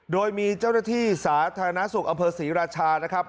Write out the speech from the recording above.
โดยมีเจ้าหน้าที่สาธารณสุขอำเภอศรีราชานะครับ